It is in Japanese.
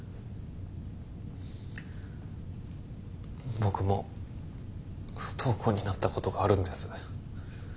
僕も不登校になったことがあるんです。